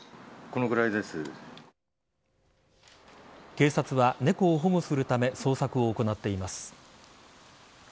警察は猫を保護するため捜索を行っています。